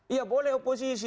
ya boleh oposisi